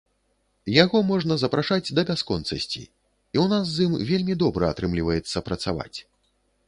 Яго можна запрашаць да бясконцасці, і ў нас з ім вельмі добра атрымліваецца працаваць.